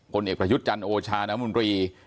กลเอกประยุทธ์จันโอชานมุมรี